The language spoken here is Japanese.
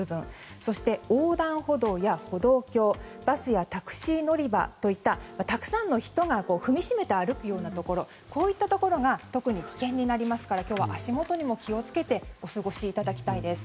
そして、横断歩道や歩道橋バスやタクシー乗り場といったたくさんの人が踏みしめて歩くようなところこういったところが特に危険になりますから今日は足元にも気を付けてお過ごしいただきたいです。